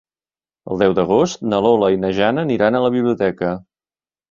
El deu d'agost na Lola i na Jana aniran a la biblioteca.